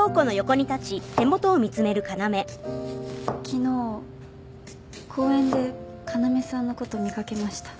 昨日公園で要さんのこと見かけました。